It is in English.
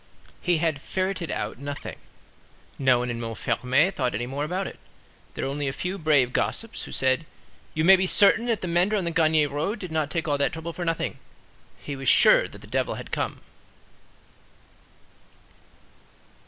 He had "ferreted out" nothing. No one in Montfermeil thought any more about it. There were only a few brave gossips, who said, "You may be certain that the mender on the Gagny road did not take all that trouble for nothing; he was sure that the devil had come."